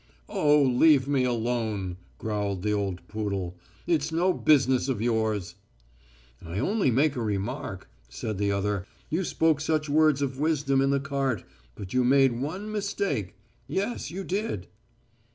"Oh, leave me alone," growled the old poodle. "It's no business of yours." "I only made a remark," said the other. "You spoke such words of wisdom in the cart, but you made one mistake. Yes, you did."